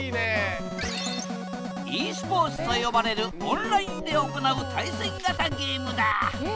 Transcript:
ｅスポーツと呼ばれるオンラインで行う対戦型ゲームだ。